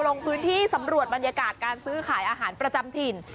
ลงพื้นที่สำรวจบรรยากาศการซื้อขายอาหารประจำถิ่น